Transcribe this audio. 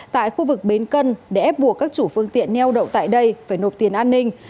tại khu vực bến cân để ép buộc các chủ phương tiện neo đậu tại đây phải nộp tiền an ninh